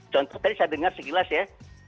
contoh tadi saya dengar sekilas ya